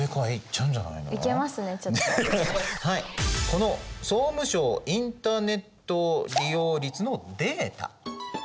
この総務省インターネット利用率のデータ。